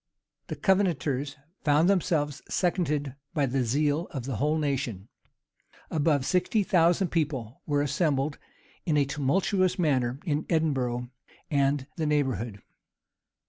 The Covenanters found themselves seconded by the zeal of the whole nation. Above sixty thousand people were assembled in a tumultuous manner in Edinburgh and the neighborhood.